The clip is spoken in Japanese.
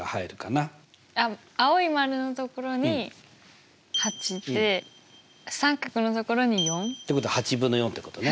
あっ青い丸の所に８で三角の所に４。ってことは８分の４ってことね。